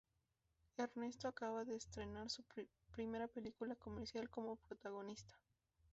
Ernesto acababa de estrenar su primera película comercial como protagonista.